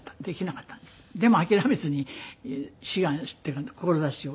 でも諦めずに志願っていうか志を。